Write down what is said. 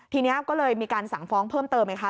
ทีนี้ก็เลยมีการสั่งฟ้องเพิ่มเติมไหมคะ